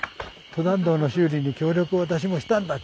登山道の修理に協力を私もしたんだ」